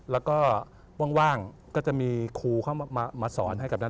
แล้วก็ว่างก็จะมีครูเข้ามาสอนให้กับด้าน